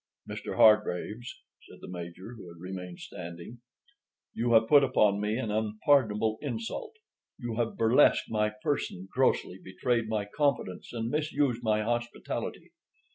"Mr. Hargraves," said the Major, who had remained standing, "you have put upon me an unpardonable insult. You have burlesqued my person, grossly betrayed my confidence, and misused my hospitality.